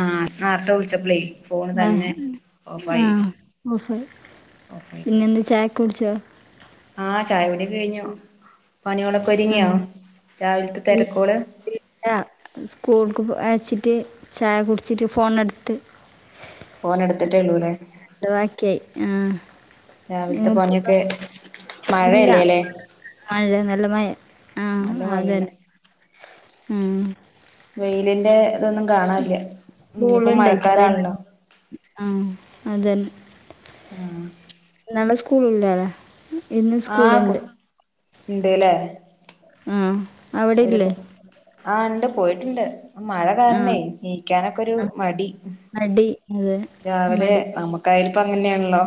ആഹ് നേരത്തെ വിളിച്ചപ്പ്ളേ. ഫോൺ തന്നെ ആഹ് ഓഫായി ആഹ് ഓഫായി ഓഫായി പോയി. പിന്നെന്താ ചായ കുടിച്ചോ ആ ചായോടികയിഞ്ഞു പണികളൊക്കെ ഉം ഒരിങ്ങിയോ രാവിലത്തെ തെരക്കോള്. ല്യാ സ്കൂൾക്ക് അച്ചിട്ട് ചായ കുടിച്ചിട്ട് ഫോണെടുത്ത്. ഫോൺ എടുത്തിട്ടേ ഉള്ളൂല്ലേ. അത് വാക്കിയായി ആഹ്. രാവിലത്തെ പണിയൊക്കെ. ഇല്ല മഴയല്ലേല്ലേ മഴ നല്ല മഴ ആഹ് നല്ല മഴയാണ് അതന്നെ. ഉം. വെയിലിന്റെ ഇതൊന്നും കാണാല്യാ ഇനിയിപ്പോ സ്കൂളുണ്ടായിട്ടല്ലേ ഇന്ന് മഴക്കാലാണല്ലോ. ആഹ് അതന്നെ. ആഹ്. നാളെ സ്കൂള്ലാല്ലെ. ആഹ് [unintelligible] ഇണ്ട്ല്ലേ. ആഹ്. അവിടെ ഇല്ലേ അവരൊക്കെ ആഹ ഇണ്ട് പോയിട്ടിണ്ട്. മഴ കാരണേ ആഹ് നീക്കാനൊക്കെ ഒരു ആഹ് മടി മടി അതെ രാവിലെ മടി നമക്ക്. കയ്പ്പ് അങ്ങനെയാണല്ലോ.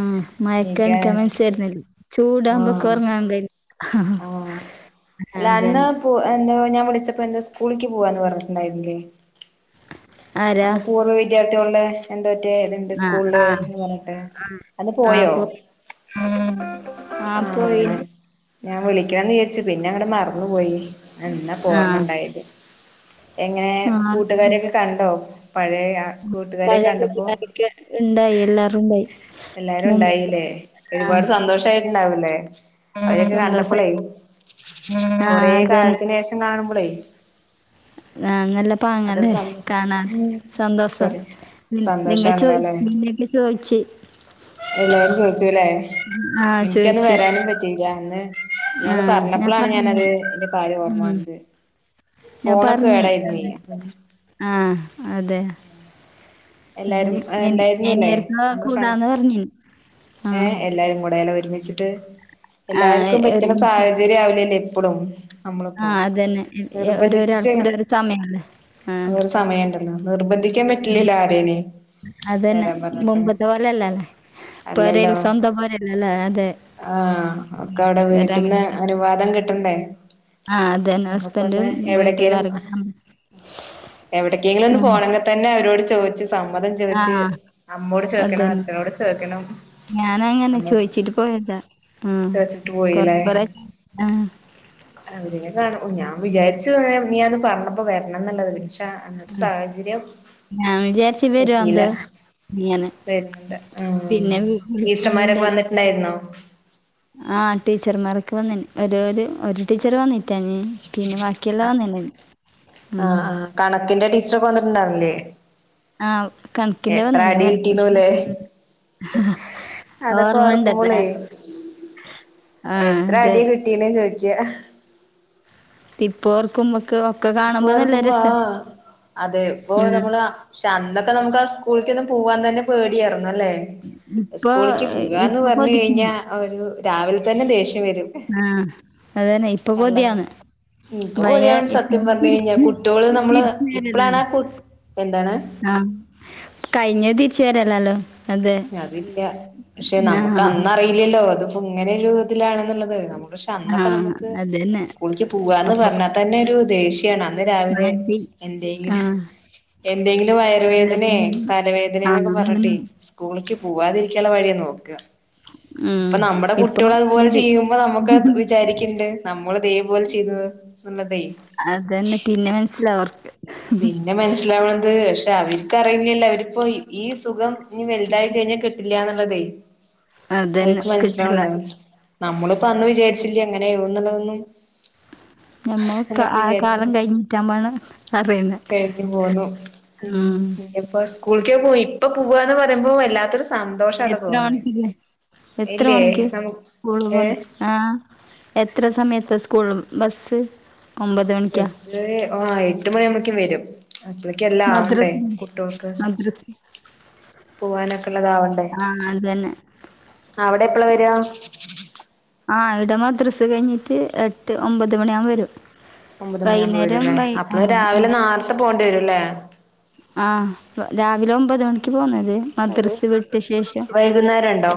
ആഹ എനിക്ക് മയക്കണിക്കാൻ മനസയിരുന്നില്ലേ ചൂടാവുമ്പോ ആഹ് കൊറങ്ങാനൊന്നും. ആഹ് അല്ല അന്ന്. അതന്നെ പ്പൊ ന്തോ ഞാൻ വിളിച്ചപ്പോ എന്തോ സ്കൂളിലേക്കി പോവാന്ന് പറഞ്ഞിട്ടുണ്ടായിരിന്നില്ലേ. ആരാ അന്ന പൂർവ വിദ്യാർത്ഥികളുടെ. എന്ത പറ്റേ ഇതുണ്ട് ആ സ്കൂളില് ആ എന്ന് പറഞ്ഞിട്ട് അന്ന് പോയോ. ഉം ആഹ് പോയി. ഞാൻ വിളിക്കണമെന്ന് വിചാരിച്ചു പിന്നെ അങ്ങടെ മറന്നുപോയി. എന്നാപ്പോ ആ ഓർമ്മുണ്ടായത് എങ്ങനെ ആ കൂട്ടുകാരൊക്കെ കണ്ടോ. പഴയ കൂട്ടുകാരെ പഴയ കണ്ടപ്പോ. കൂട്ടുകാരൊക്കെ ഉണ്ടായി എല്ലാരും ഉണ്ടായി മുമ്പ് എല്ലാരുണ്ടായിലേ ആ ഒരുപാട് സന്തോഷായിട്ട്ണ്ടാവൂലേ? അവരെക്കെ കണ്ടപ്പളേ സന്തോഷായി ആ കൊറേ കാലത്തിനേഷം കാണുമ്പളേ ആഹാ നല്ല അതൊരു പാങ്ങല്ലേ സന്തോഷം കാണാൻ സന്തോസാ നി നിങ്ങ സന്തോഷാണല്ലോ ചോയി അല്ലെ നിന്നെയൊക്കെ ചോയ്ച്ച് എല്ലാരും ചോയ്ച്ചൂലേ? ആ ഇൻക്കന്ന് ചോദിച്ച് വരാനും പറ്റിയില്ല അന്ന് ആ നീയത് ഞാൻ പറഞ്ഞപ്പളാണ് പറഞ്ഞു ഞാനത് അയിന്റെ കാര്യം ഓർമ്മ ഉം. വന്നത് ഫോണൊക്കെ കേടായിരുന്നേ ആഹാ അതെ എല്ലാരും എഹ് അതന്നെ ഇനി ഇണ്ടായിരുന്നുല്ലേ ആർക്കോ നമ്മടെ ഫ്രണ്ട് കൂടാന്ന് പറഞ്ഞു ആ ഏഹ് എല്ലാരുംകൂടെ എല്ലഒരുമിച്ചിട്ട് ആ എല്ലാര്ക്കും പറ്റ്ണ ഒരുമിച്ച് സാഹചര്യാവൂലല്ലേ എപ്പളും ആ അമ്മള്പ്പോ അതന്നെ. നിർബന്ധിച്ച് ഓരോരാൾക്ക് ഓരോരോ സമയല്ലേ? ആ അതൊരു സമയണ്ട് [unintelligible] നിർബന്ധിക്കാൻ ആ, പറ്റില്ലല്ലോ ആരേനിം അതന്നെ മുമ്പത്തെപോലല്ലല്ലേ പൊരേൽ സ്വന്തം പൊരല്ലല്ലോ അതെ ആഹ ഒക്കൗടെ വീട്ട്ന്ന് ഇവരങ്ങനെ അനുവാദം കിട്ടണ്ടേ ആഹാ അതന്നെ നമ്മുക്കൊന്ന് ഹസ്ബൻഡും വീട്ടുകാരൊക്കെ എവിടക്കെങ്കിലൊന്ന് പോണെങ്ക തന്നെ അവരോട് ചോയ്ച്ച് ചേയ് സമ്മതം ആ ചോയ്ച്ച് അമ്മോട് ചോയ്ക്കണം അതന്നെ. അച്ഛനോട് ചോയ്ക്കണം ഞാനങ്ങനെ ചോയ്ച്ചിട്ട് പോയക്കാ മ് ചോദിച്ചിട്ട് കൊറെ പോയില്ലേ കൊറെ ആഹാ അവരിന്നെ കാണു ഞാൻ വിചാരിച്ചു നീയന്ന് പറഞ്ഞപ്പോ വരണന്ന്ള്ളത് പി ന്നെ അന്നത്തെ സാഹചര്യം ഞാൻ വിചാരിച്ച് പറ്റീല്ല വരുവാന്തോ ഇങ്ങനെ. വര്ന്ന്ണ്ട് ആഹ് പിന്നെ വി ടീച്ചർമാരൊക്കെ വന്ന് ട്ട്ണ്ടായിര്ന്നോ? ആഹ ടീച്ചർമാരൊക്കെ വന്ന്ന് ഒരു ഒരു ടീച്ചറ് വന്നിട്ടാഞ്ഞ് പിന്നെ ബാക്കി ആ ആഹാ ഹാ കണക്കിന്റെ ടീച്ചറൊക്കെ വന്നിട്ട്ണ്ടാർന്നില്ലേ? ആഹ കണക്കിന്റെ വന്ന്നി മറ്റേ [inaudible] അതൊക്കെ ഓർമ്മണ്ടല്ലേ? ഓർക്കുമ്പോളേ ആഹ അതെ. [unintelligible] ചോയിക്യാ ഇപ്പോർക്കുമ്പോ ഇപ്പോർക്കുമ്പോ ആഹാ അതെ ഉം ഇപ്പൊനമ്മളാ പക്ഷെ അന്നൊക്കെ ന്നമ്മക്ക് ആ സ്കൂൾക്കൊന്ന് പോവാൻതന്നെ പേടിയാർന്നല്ലേ? ഇപ്പൊ സ്കൂളിക്ക് പോവാന്ന് ഇപ്പൊ കൊതിക്ക്ന്ന് പറഞ്കഴിഞ്ഞാ ഒരു രാവിലെ തന്നെ ദേഷ്യം വെരും ആഹാ അതന്നെ ഇപ്പൊ കൊതിയാന്ന് ഇപ്പൊ പോരാ പയേ സത്യം പറഞ്കഴിഞ്ഞാ കുട്ട്യോള് നമ്മള് ഇപ്പളാണാ കു എന്താണ് ആഹാ കഴിഞ്ഞേ തിരിച്ച് വരല്ലാലോ അതില്ല പക്ഷെ ആഹ് നമ്മക്കന്നറിയില്ല്യല്ലോ ഇത്പ്പോ ഇങ്ങനൊരു ഇതിലാണ്ന്ന്ള്ളത് നമ പക്ഷെ അന്നൊക്കെ ആഹ് നമ്ക്ക് അതന്നെ സ്കൂളിക്ക് പോവാന്ന് അപ്പൊ പറഞ്ഞാതന്നൊരു ദേഷ്യ സത്യാണ് അന്ന് രാവിലെ മടി എന്തേങ്കിലും ആഹ് എന്തെങ്കിലും വയറുവേദനേ, തലവേദനേ എന്നൊക്കെ ആഹ് അതന്നെ പറ്ഞ്ട്ടെ സ്കൂളിക്ക് പോവാതിരിക്കാള്ള വഴിയാ നോക്കാ ഉം ഇപ്പം ന്നമ്മട ഇപ്പൊ കുട്ട്യോളതുപോലെ പൂതി ചെയ്യുമ്പോ നമ്മക്ക് വിചാരിക്ക്ണ്ട് നമ്മളുതേപോലെ ചെയ്തന്ന്ള്ളതേ അതന്നെ പിന്നെ മനസ്സിലാവും ഓർക്ക് പിന്നെ മനസ്സിലാവ്ണത് പക്ഷെ അവരിക്കറിണില്ലല്ലോ അവരിപ്പോ ഈ സുഖം ഇഞ്ഞ് വെല്തായി കഴിഞ്ഞ കിട്ടില്ല്യാന്ന്ള്ളതേ അതന്നെ അവര്ക്ക് കിട്ടില്ല മനസ്സിലാവൂല്ല നമ്മള്പ്പം അന്ന് വിചാരിച്ചില്ല്യ ഇങ്ങനയാവുന്ന്ള്ളതൊന്നും ഞമ്മഒക്കെ ആ കാലം കഴിഞ്ഞിട്ടാമ്പാണ് കെഴ്ഞ്ഞ് പോന്നു ഉം. മ് ഇപ്പൊ സ്കൂൾക്കെ പോയി ഇപ്പൊ പോവാന്ന്പറയുമ്പോ വല്ലാത്തൊരു സങ്ക എത്ര മണിക്കില്ലേ എത്ര ഇല്ലേ മണിക്ക് നമു സ്കൂൾന്ന് ഏ വന്നു ആഹ് എത്ര സമയത്ത് സ്കൂൾ ബസ്സ് ഒമ്പത് മണിക്കാ ഇത് വൈകിട്ട് ആവുമ്പഴേക്കു വരും അപ്പളക്ക് എല്ലാം ആവണ്ടേ മദ്രസ കുട്ടിയോൾക്ക് മദ്രസ പോവാനൊക്കെ ഉള്ളതാവണ്ടേ ആ അതന്നെ അവിടെ എപ്പള വരുക ആഹ് ഇവിടെ മദ്രസ് കഴിഞ്ഞിട്ട് എട്ട് ഒമ്പത് മണിയാകുമ്പം വരും ഒമ്പത് മണിയാകുമ്പോൾ വൈകുന്നേരം വരുല്ലേ വൈ ആ അപ്പോള് ഉം. രാവിലെ നേരത്തെ പോകേണ്ടി വരൂല്ലേ ആഹ് രാവിലെ ഒമ്പത് മണിക്ക് പോകുന്നത് മദ്രസ വിട്ട വൈകുന്നേരം ഉണ്ടോ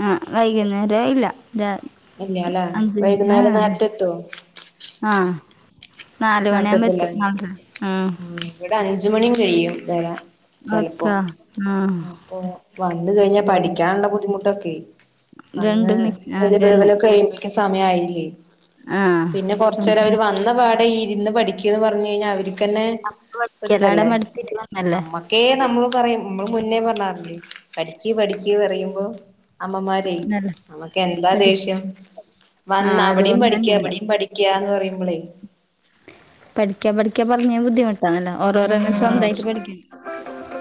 ഉം വൈകുന്നേരം ഇല്ല രാ ഇല്ല അല്ലേ അഞ്ച് ആ വൈകുന്നേരം നേരത്തെ എത്തുവോ ആഹ് നാല് മണി ആവുമ്പം നടത്തത്തില്ല എത്തും നാലോ ഉം ഇവിടെ അഞ്ച് മണിയും കഴിയും വരാൻ ചിലപ്പോ ഓക്കെ ആഹ് അപ്പൊ വന്ന്‌ കഴിഞ്ഞാ പോരും പഠിക്കാനുള്ള ബുദ്ധിമുട്ടൊക്കെ വന്ന് രണ്ടും മിക്സ് അതന്നെ [unintelligible] കഴിമ്പഴേക്ക് സമയായില്ലേ ആഹ് പിന്നെ കുറച്ചു നേരം അവർ വന്ന പാടെ ഇരുന്ന് പഠിക്കന്ന് പറഞ്ഞു കഴിഞ്ഞാൽ അവര് ക്ക് തന്നെ പഠിക്കലവിടെ ഒരിതല്ലേ മടുത്തിട്ട് വന്നല്ലേ നമ്മ ക്കെ നമ്മൾ പറയും നമ്മള് മുന്നേ പറഞ്ഞാറില്ലേ പഠിക്ക്‌ പഠിക്ക് പറയുമ്പോ അമ്മമാരേ നല്ല നമ്മക്ക് എന്താ പഠി ദേഷ്യം ആഹ് വന്നാ അവിടെയും പഠിക്ക് അതുകൊണ്ടന്നല്ലേ ഇവിടെയും പഠിക്ക് ക്കന്ന് പറയുമ്പോളേ പഠിക്കാ പഠിക്കാ പറഞ്ഞ ബുദ്ധിമുട്ടണല്ല ഓരോരു തന്നെ സ്വന്തമായിട്ട് ആഹ് പഠിക്കണം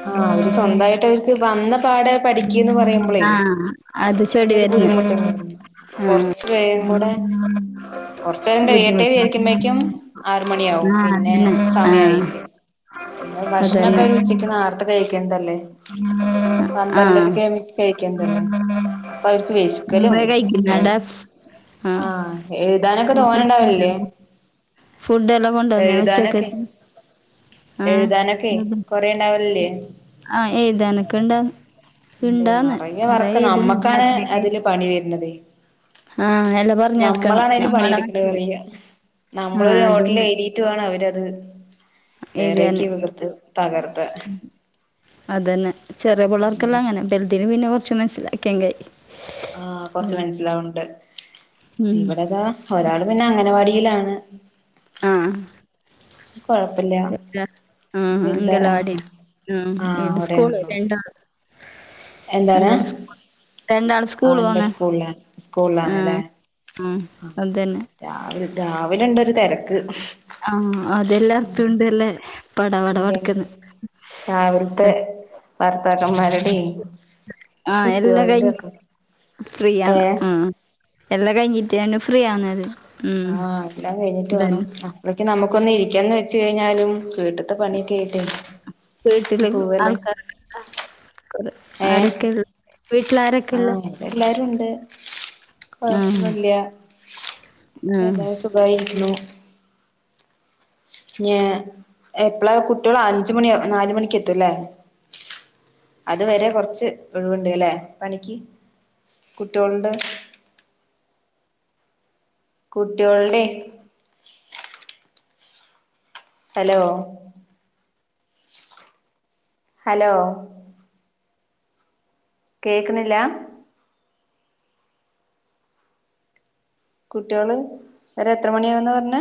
ആഹ് അവര് സ്വന്തമായിട്ട് അവർക്ക് വന്ന പാടെ പഠിക്കുന്ന് പറയുമ്പോളേ ആഹ് അത് ചെടി അതൊരു വരുന്ന ബുദ്ധിമുട്ട് തന്നെയാ അപ്പൊ കുറച്ച് ച്ച് കഴിയുമ്പോടെ കുറച്ച് നേരം കഴിയട്ടെ ബുദ്ധിമുട്ടാ ആഹ് വിചാരിക്കുമ്പേക്കും ആറ് മണി ആവും പിന്നെ അതന്നെ ആഹ് സമയായില്ലേ പിന്നെ ഭക്ഷണൊക്കെ അവര് അതന്നെ ഉച്ചക്ക് നേരത്ത് കഴിക്കണതല്ലേ പ ആഹ് പന്ത്രാണ്ടരക്ക് ആകുമ്പോഴേക്ക് കഴിക്കണതല്ലേ അപ്പൊ അവർക്ക് വിഷക്കലും മുമ്പേ കഴിക്കുന്നടാ ആഹ് എഴുതാനൊക്കെ തോനേണ്ടാവല്ലേ ഫുഡ് എല്ലാം കൊണ്ടന്ന് ഉച്ചക്ക എഴുതാനൊക്കെ കൊറെണ്ടാവലല്ലേ ആഹ് എഴുതാനൊക്കെ ഉണ്ടാവും ഉണ്ട് നിറയെ വർക്ക് നമ്മക്കാണ് രാത്രിയൊക്കെ അതില് പണി വരണത് ആഹ് എല്ലാം പറഞ്ഞ് കൊടുക്കണം നമ്മളാണ് അതിൽ ഞമ്മടെ പണിയെടുക്കണ മട്ടില് പറയുവ നമ്മള് ആഹ് നോട്ടിൽ അതന്നെ എഴുതി ട്ട് വേണം അവരത് വേറെക്കെ കൊടുത്ത് അത് തന്നെ ചെറിയ പിള്ളോർക്കെല്ലാം അങ്ങനെ വലുതിന് പിന്നെ ച്ചു മനസ്സിലാക്കിയെങ്കി ആയി ആഹ് കൊറച്ച് മനസ്സിലാവണ്ട് ഉം ഇവിടിതാ ഒരാള് പിന്നെ അംഗനവാടിയിലാണ് ആഹ് കുഴപ്പില്ല ആഹ് വലത അങ്കലവാടി ആഹ് ഉം ആഹ് ഈടെ സ്കൂള് അവിടെയാണല്ലോ രണ്ടാ എന്താണ് രണ്ടാള് സ് രണ്ടാള് ആഹ് സ്കൂള് ഇല്ല പോന്ന് സ്കൂളില സ്കൂളിലാണ് അല്ലെ ആഹ് അതന്നെ രാവിലെ രാവിലെ ഉണ്ട്‌ ഒരു തിരക്ക് ആഹ് അതെല്ലാടുത്തുണ്ടല്ലേ പട പട ഉണ്ട് ഉണ്ട് പടക്കന്ന് രാവിലത്തെ ഭർത്താക്കന്മാരുടെ ആഹ് എല്ലാ കൈ ഫ്രീ ആണ് ഏഹ് ഉം എല്ലാം കഴിഞ്ഞിട്ടാണ് ഫ്രീ ആകുന്നത് ആഹ് എല്ലാം കഴിഞ്ഞിട്ട് വേണം അപ്പോഴേക്ക് നമുക്കൊന്ന് ഇരിക്കന്ന് വെച്ച കഴിഞ്ഞാലും കേട്ട് അടുത്ത പണിയൊക്കെ കേട്ടേ എങ്കിപൂവല്ലേ ആ ആരൊക്കെയ ഉള് വീട്ടില ആരൊക്കെയ ഉള്ള ഇടെ എല്ലാരും ഉണ്ട് ആ കുഴപ്പന്നൂല്യ ആ ചല്ല സുഖയിരിക്കുന്നു ഞ്യാ എപ്പളാ കുട്ടിയൾ അഞ്ച് മണി നാല് മണിക്ക് എത്തല്ലേ അത് വരെ കൊറച്ച് ഒഴവുണ്ട് അല്ലെ പണിക്ക് കുട്ടിയളുടെ കുട്ടിയളുടെ ഹലോ ഹലോ കേൾക്ണില്ലാ കുട്ടിയള് വരാൻ എത്ര മണിയാവന്ന് പറഞ്ഞ